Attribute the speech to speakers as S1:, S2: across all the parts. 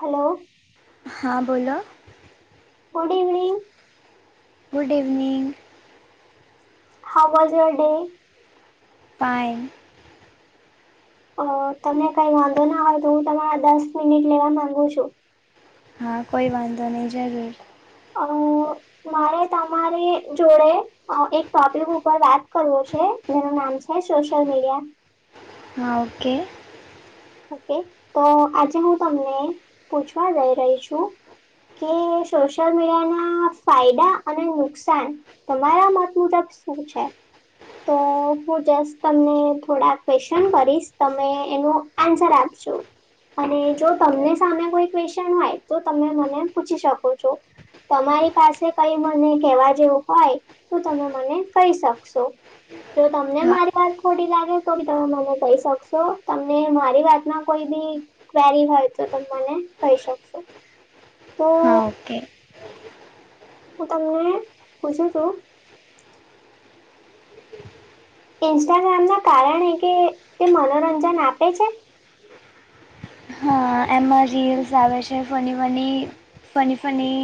S1: Hello
S2: હા બોલો
S1: good evening
S2: good evening
S1: હા વોઝ યર ડે
S2: પાં
S1: અ તમને કઈ વાંધો ના હોય તો હું તમારા દસ મિનિટ લેવા માંગુ છુ.
S2: હા કોઈ વાંધો નહીં જરૂર
S1: અ મારે તમારી જોડે એક ટોપિક ઉપર વાત કરવો છે જેનું નામ છે સોશિયલ મીડિયા
S2: હા ઓકે
S1: ઓકે તો આજે હું તમને પૂછવા જઈ રહી છું કે સોશિયલ મીડિયા ના ફાયદા અને નુકસાન તમારા મત મુ તબ શું છે તો હું જસ્ટ તમને થોડાક ક્વેશન કરીશ તમે એનું આન્સર આપજો અને જો તમને સામે કોઈ ક્વેશન હોય તો તમે મને પૂછી શકો છો તમારી પાસે કઈ મને કવા જેવું હોય તો તમે મને કહી શકશો જો તમને
S2: હા
S1: મારી વાત ખોટી લાગે તો બી તમે મને કહી શકશો તમનેરી મારી વાતમાં કોઈ બી ક્વેરી હોય તો તમે મને કહી શકશો તો
S2: હા ઓકે
S1: હું તમને પૂછું છું ઇન્સ્ટાગ્રામ ના કારણે કે તે મનોરંજન આપે છે
S2: એમાં રીલ્સ આવે છે funny money funny funny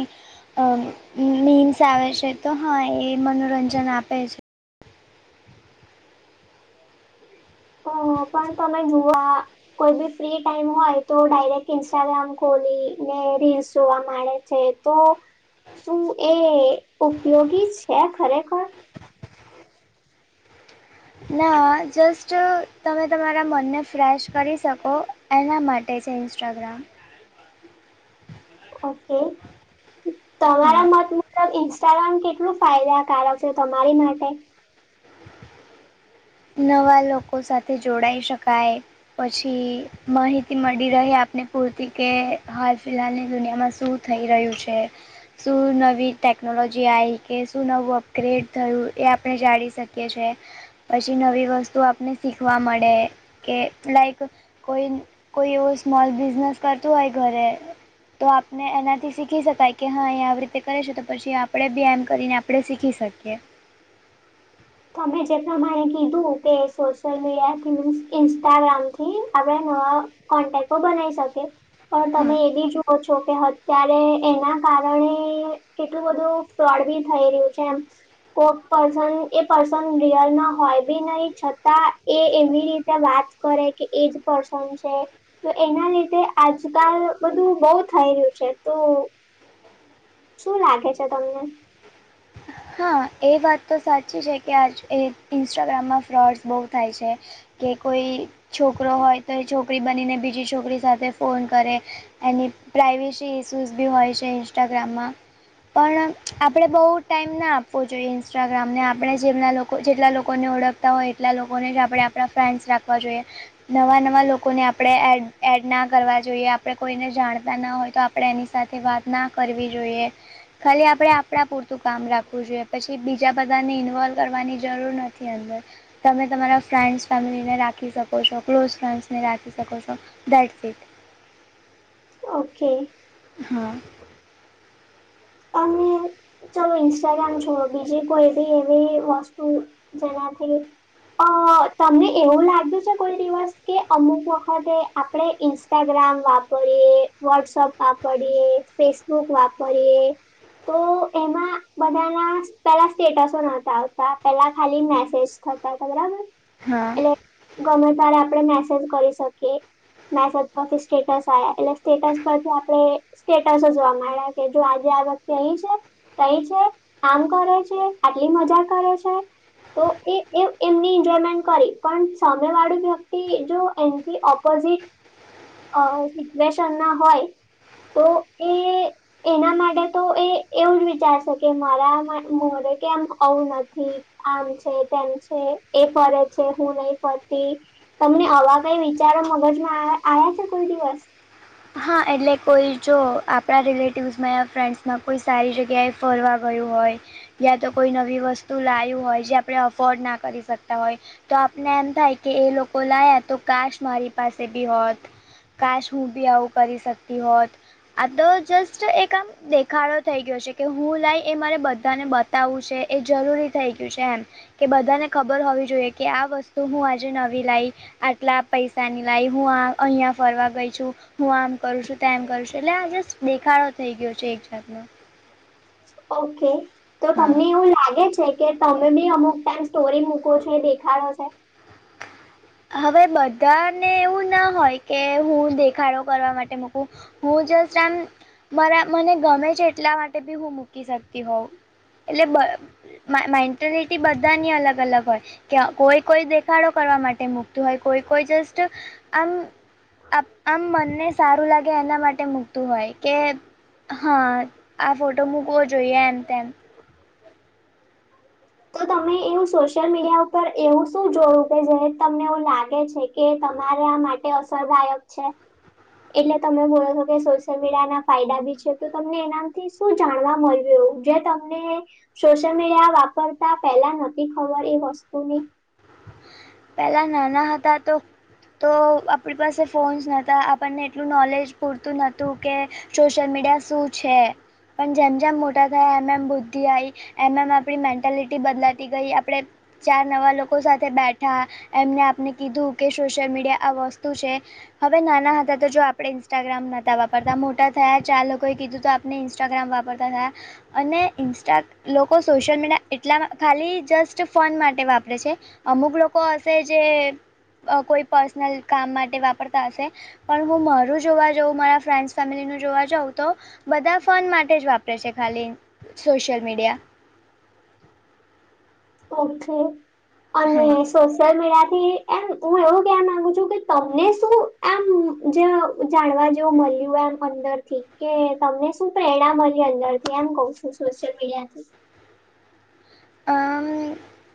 S2: memes આવે છે તો હા એ મનોરંજન આપે છે
S1: હ પણ તમે જોુવા કોઈ બી ફ્રી ટાઈમ હોય તો ડાયરેક્ટ ઇન્સ્ટાગ્રામ ખોલીને રીલ્સ જોવા મળે છે તો શું એ ઉપયોગી છે ખરેખર
S2: ના જસ્ટ તમે તમારા મનને ફ્રેશ કરી શકો એના માટે છે ઇન્સ્ટાગ્રામ
S1: ઓકે તમારા
S2: હા
S1: મતમાં મલ ઇન્સ્ટાગ્રામ કેટલું ફાયદાકારક છે તમારી માટે
S2: નવા લોકો સાથે જોડાઈ શકાય પછી માહિતી મળી રહે આપને પૂરતી કે હાલ ફિલહાલ ની દુનિયામાં શું થઈ રહ્યું છે શું નવી ટેકનોલોજી આવી કે શું નવું અપગ્રેડ થયું એ આપણે જાણી શકીએ છ છે પછી નવી વસ્તુ આપને શીખવા મળે કે લઇક કોઈ કોઈ એવો સ્મોલ બિઝનેસ કરતું હોય ઘરે તો આપને એનાથી શીખી શકાય કે હા એયા આવી રીતે કરે છે તો પછી આપણેે બી એમ કરીને આપણે શીખી શકીએ
S1: તમે જે પ્રમાણે કીધું કે સોશિયલ મીડિયા થી મીન્સ ઇન્સ્ટાગ્રામ થી આપણે ન કોન્ટેકો બનાવી શકે પણ
S2: હા
S1: તમે એ બી જોુઓ છો કે અત્યારે એના કારણે કેટલું બધું ફ્રોડ બી થઈ રહ્યું છે એમ કો પન એ પર્સન રિયલમાં હોય બી નહીિ છતાં એ એવી રીતે વાત કરે કે એજ પર્સન છે તો એના લીધે આજકાલ બધું બહુ થઈ રહ્યું છે તો શું લાગે છે તમને
S2: હા એ વાત તો સાચી છે કે આજ એ ઇન્સ્ટાગ્રામમાં ફ્રોડ્સ બહુ થાય છે કે કોઈ છોકરો હોય તો એ છોકરી બનીને બીજી છોકરી સાથે ફોન કરે એની પ્રઇવેસી ઇસ્યુઝ બી હોય છે ઇન્સ્ટાગ્રામમાં પણ આપણે બહુ એ આપવું જોઈએ ઇન્સ્ટાગ્રામને આપણે જેમના લોકો જેટલા લોકોને ઓળખતા હોય એટલા લોકોને જ આપણે પ્રફરેન્સ રાખવા જોઈએ નવા નવા લોકોને આપણેડ એડ ના કરવા જોઈએ આપણે કોઈને જાણતા ના હોય તો આપ એની સાથે વાત ના કરવી જોઈએ ખાલી આપણે આપણા પૂર કામ રાખવું જોઈએ પછી બીજા બધાને ઇન્વોલ્વ કરવાની જરૂર નથી અંદર તમે તમારા ફ્રેન્ડ્સ ફેમિલીને રાખી શકો છો ક્લોઝ ફ્રેન્ડ્સને રાખી શકો છો થેટ્સ ઇટ.
S1: ઓકે.
S2: હા.
S1: અને ચાલો ઇન્સ્ટાગ્રામ છોડ દીજિયે કોઈ બી એવી વસ્તુ જેનાથી અ તમને એવું લાગ્યું છે કોઈ દિવસ કે અમુક વખતે આપણે ઇન્સ્ટાગ્રામ વાપરીએ, વોટ્સઅપ વાપરીએ, ફેસબુક વાપરીએ, તો એમાં. બધા ના પેલા સ્ટેટસો નતા આવતા પેલા ખાલી મેસેજ થતા હતા બરાબર.
S2: હા
S1: એટલે ગમે તારે આપણે મેસેજ કરી શકીએ. મેસેજ પરથી સ્ટેટસ આયા એટલે સ્ટેટસ પરથી આપડે સ્ટેટસ જોવા મળ્યા કે જો આજે આ વ્યક્તિ કંઈ છે. તઈ છે. કામ કરે છે આટલી મજા કરે છે. તો એ એમની એન્જોયમેન્ટ કરી પણ સામેવાળુ વ્યક્તિ જો એનથી ઓપ ઓપોઝિટ. અ સીટવ્યસન ના હોય તો એ એના માટે તો એ એવું જ વિચારશે કે મારા મોડે કે આમ આવું નથી. આમ છે તેમ છે એ ફરે છે હું નહી ફરતી. તમને આવા કઈ વિચારો મગજમાં આયા આયા છે કોઈ દિવસ.
S2: હા એટલે કોઈ જો આપણા રિલેટિવસમાં ફ્રેન્ડ્સમાં કોઈ સારી જગ્યાએ ફરવા ગયું હોય. યા તો કોઈ નવી વસ્તુ લાયુ હોય જે આપણે અફોર્ડ ના કરી શકતા હોય. તો આપને એમ થાય કે એ લોકો લાયા તો કાશ મારી પાસે બી હોત. કાશ હું બી આવું કરી શકતી હોત આ તો જસ્ટ એક આમ દેખાડો થઈ ગયો છે કે હું લાઈ એ મારે બધાને બતાવવું છે એ જરૂરી થઈ ગયું છે એમ. કે બધાને ખબર હોવી જોઈએ કે આ વસ્તુ હું આજે નવી લાઈ. આટલા પૈસાની લાઈ હું આ અહિયાં ફરવા ગઈ છું. હું આમ કરું છું તેમ કરું છું એટલે આ જસ્ટ દેખાડો થઈ ગયો છે એક જાતનો.
S1: ઓકે તો
S2: હા
S1: તમને એવું લાગે છે કે તમે બી અમુક ટાઈમ સ્ટોરી મૂકો છો દેખાડો છે.
S2: હવે બધાને એવું ના હોય કે હું દેખાડો કરવા માટે મૂકું. હું જસ્ટ આમ મારા મને ગમે છે એટલા માટે બી હું મૂકી શકતી હોઉં. એટલે બ મેન્ટેલિટી બધાની અલગ-અલગ હોય કે કોઈ કોઈ દેખાડો કરવા માટે તે મુકતું હોય કોઈ-કોઈ જસ્ટ આમ આમ આમ મનને સારું લાગે એના માટે મૂકતું હોય કે હા આ ફોટો મૂકવો જોઈએ એમ તેમ.
S1: [inaudible] તો તમે એવું સોશિયલ મીડિયા ઉપર એવું શું જોયું કે જે તમને એવું લાગે છે. કે તમારા માટે અસરદાયક છે એટલે તમે બોલો છો કે સોશિયલ મીડિયાના ફાયદા બી છે તો તમને એનાથી શું જાણવા મળ્યું એવું જે તમને સોશિયલ મીડિયા વાપરતા પહેલા નતી ખબર એ વસ્તુની.
S2: પેલા નાના હતા તો. તો આપણી પાસે ફોન્સ નહોતા આપણને એટલું નોલેજ પૂરતું નહોતું કે સોશિયલ મીડિયા શું છે પણ જેમ-જેમ મોટા થયા એમ-એમ બ બુદ્ધિ આવી એમ-એમ આપણી મેન્ટલિટી બદલાતી ગઈ આપણે ચાર નવા લોકો સાથે બેઠ ઠા એમને આપને કીધું કે સોશિયલ મીડિયા આ વસ્તુ છે. હવે નાના હતા તો જો આપડે ઇન્સ્ટાગ્રામ નતા વાપરતા મોટા થયા ચાર લોકોએ કીધું તો આપ ને ઇન્સ્ટાગ્રામ વાપરતા થાય અને ઇન્સ્ટા લોકો સોશિયલ મીડિયા એટલા ખાલી જસ્ટ ફોન માટે વાપરે છે. અમુક લોકો [unintelligible] કોઈ પર્સનલ કામ માટે વાપરતા હશે પણ હું મારું જોવા જઉં મારા ફ્રેન્ડસ ફેમિલી ન જોવા જઉ તો બધા ફન માટે જ વાપરે છે ખાલી સોશિયલ મીડિયા
S1: ઓકે અને સોશિયલ મીડિયા થી એમ હું એવું કેવા માંગુ છું કે તમને શું એમ જે જાણવા જેવું મળ્યું એમ અંદર થી કે તમને શું પ્રેરણા મળી અંદર થી એમ કવુ છું સોશિયલ મીડિયા થી
S2: અમ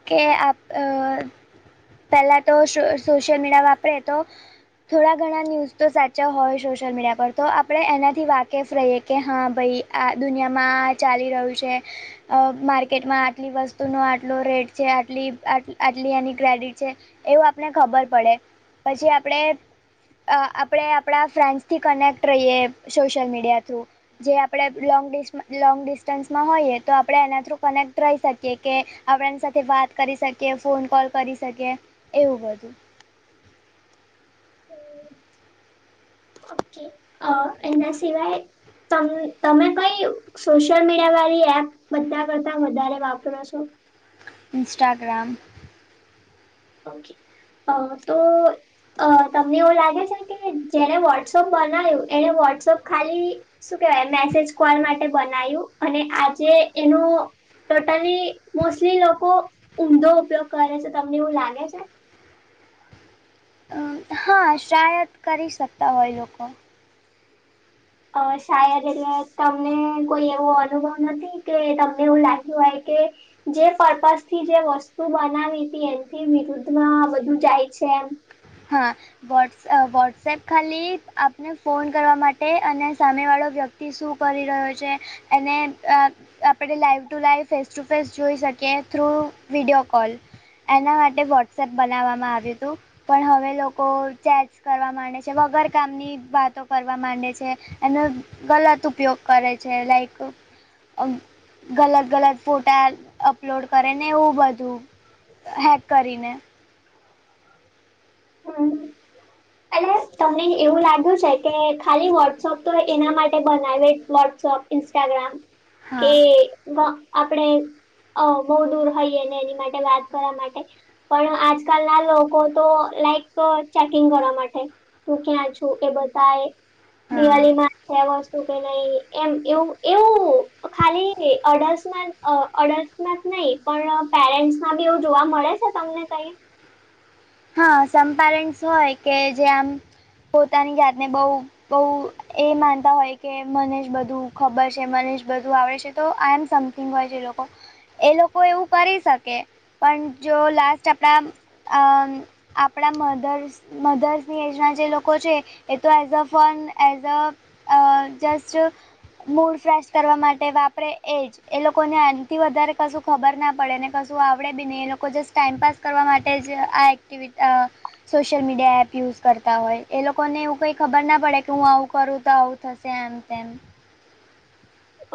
S2: કે આપ અ પેલા તો સોશિયલ મીડિયા વાપરે તો થોડા ઘણા ન્યૂઝ તો સાચા હોય સોશિયલ મીડિયા પર તો આપણે એનાથી વાકેફ રહીએ કે હા ભાઈ આ દુનિયામાં ચાલી રહ્યું છે અ માર્કેટમાં આટલી વસ્તુનો આટલો રેટ છે આટલી આટલી એની ક્રેડિટ છે એવું આપને ખબર પડે પછી આપડે અ આપડે આપડા ફ્રેન્ડ્સ થી કનેક્ટ રહીએ સોશિયલ મીડિયા થ્રુ જે આપડે લોંગ ડિસ લોંગ ડિસ્ટન્સમાં હોઈએ તો આપડણે એના થ્રુ કનેક્ટ ટ્રઇ શકીએ કે આપડે એની સાથે વાત કરી શકીએ ફોન કોલ કરી શકીએ એવું બધું
S1: ઓકે અ એના સિવાય તમ તમે કઈ સોશિયલ મીડિયા વાળી એપ બધા કરતા વધારે વાપરો છો
S2: ઇન્સ્ટાગ્રામ
S1: [unintelligible] અ તમને એવું લાગે છે કે જેને વોટ્સઅપ બનાવ્યું એને વોટ્સઅપ ખાલી શું કેહેવાય મેસેજ કોલ માટે બનાયું અને આજે એનું ટોટાલી મોસ્ટલી લોકો ઊંધો ઉપયોગ કરે છે તમને એવું લાગે છે
S2: હા શાયદ કરી શકતા હોય લોકો
S1: અ શાયદ એટલે તમને કોઈ એવો અનુભવ નથી કે તમને એવું લાગ્યું હોય કે જે પર્પસ થી જે વસ્તુ બનાવી હતી એમથી વિરુદ્ધમાં બધું જાય છે એમ
S2: હા વોટસ વોટ્સએપ ખાલી આપને ફોન કરવા માટે અને સામેવાળો વ્યક્તિ તી શું કરી રહ્યો છે એને આપણે live to live face to face જોઈ શકીએ થ્રુ વિડીયો કોલ એના માટે વોટ્સએપ બનાવવામાં આવ્યું હતું પણ હવે લોકો ચેટ કરવા માંડે છે વગર કામની વાતો કરવા માંડે છે એનો ગલત ઉપયોગ કરે છે લાઈક ગલત ગલત ફોટા અપલોડ કરે ને એવું બધું હેક કરીને
S1: હમ્મ અને તમને એવું લાગ્યું છે કે ખાલી વોટ્સઅપ તો એના માટે બનાવે વોટ્સઅપ ઇન્સ્ટાગ્રામ
S2: હા
S1: કે આપણે અ બહુ દૂર હઈએ અનેને એની માટે વાત કરવા માટે પણ આજકાલ ના લોકો તો લાઈક ચેકિંગ કર માટે તું ક્યાં છુ એ બધ
S2: હા
S1: દિવાળી માટે વસ્તુ કે નહી એમ એવું એવું ખાલી અડલમાં અડલ્ટમાં નહી પણ પેરેન્ટ્સ માં બી એવું જોવા મળે છે તમને કઈ
S2: હા સંપરેન્ટ હોય કે જે આમ પોતાની જાતને બહ બહ એ માનતા હોય કે મનેષ બધું ખબર છે મનેષ બધું આવડે છે તો આઈ એમ સમ હોય જે લોકો એ લોકો એવું કરી શકે પણ જો લાસ્ટ આપણા અ આપણા મધર્સ મધર્સની એજના જે લોકો છે એ તો as a fun as a a just mood fresh કરવા માટે વાપરે એ જ એ લોકોને આનથી વધારે કશું ખબર ના પડે ને કશું આવડે બી નહી એ લોકો જસ્ટ ટાઈમપાસ કરવા માટે જ આ એક્ટિવિ અ સોશિયલ મીડિયા એપ યુઝ કરતા હોય એ લોકોને એવું કંઈ ખબર ના પડે કે હું આવું કરું તો આવું થશે આમ તેમ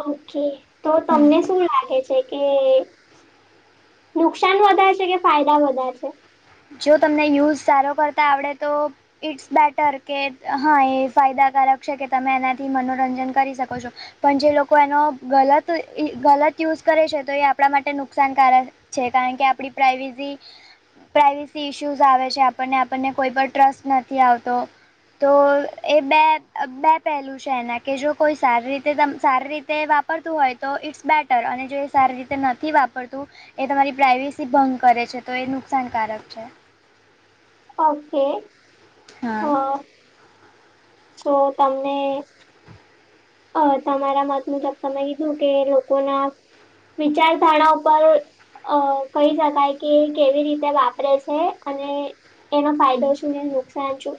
S1: ઓકે તો તમને
S2: હમ
S1: શું લાગે છે કે નુકસાન વધારે છે કે ફાયદા વધારે છે
S2: જો તમને યુઝ સારો કરતા આવડે તો ઇટ્સ બેટર કે હા એ ફાયદાકારક છે કે તમે એનાથી મનોરંજન કરી શકો છો પણ જે લોકો એનો ગલત ગલત યુઝ કરે છે તો એ આપણા માટે નુકસાનકારક છે કારણ કે આપડી પ્રઇવેસી પ્રાાઈવેસી ઇસ્યુઝ આવે છે આપને આપને કોઈ પણ ટ્રસ્ટ નથી આવતો તો એ બે બે પહેલું છે એના કે જો કોઈ સારી તે ત સારી રીતે વાપરતું હોય તો ઇટ્સ બેટર અને જો એ સારી રીતે નથી વાપરતું એ તમારી પ્રાઇવેસી ભંગ કરે છે તો એ નુકસાનકારક છે
S1: ઓકે હ
S2: હા
S1: સો તમને અ તમારા મત મૂજબ તમે કીધું કે લોકો ના વિચારધારા ઉપર અ કહી શકાય કે કેવી રીતે વાપરે છે અને એનો ફાયદો શું ને એ નુકસાન શું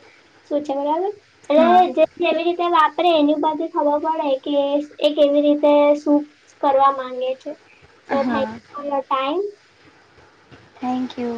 S1: શું છે બરાબર એટલે
S2: હા
S1: જે કેવી રીતે વાપરે એની બાજુ ખબર પડે કે એ કેવી રીતે શૂપ કરવા માંગે છે સો
S2: હા
S1: thank for a time
S2: thank you